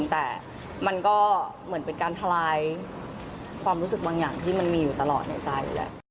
แต่มันก็เหมือนเป็นการทลายความรู้สึกบางอย่างที่มันมีอยู่ตลอดในใจแหละ